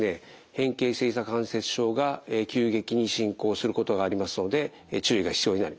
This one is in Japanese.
変形性ひざ関節症が急激に進行することがありますので注意が必要になります。